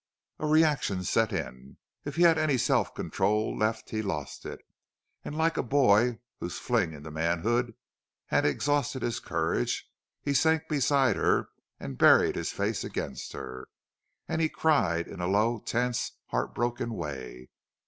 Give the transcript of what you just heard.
A reaction set in. If he had any self control left he lost it, and like a boy whose fling into manhood had exhausted his courage he sank beside her and buried his face against her. And he cried in a low, tense, heartbroken way.